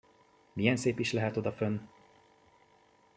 Milyen szép is lehet odafönn!